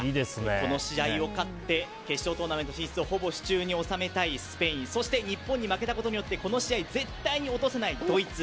この試合を勝って決勝トーナメント進出をほぼ手中に収めたいスペインそして日本に負けたことによってこの試合絶対に落とせないドイツ。